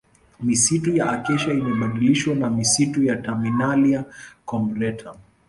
Misitu ya Acacia imebadilishwa na misitu ya Terminalia Combretum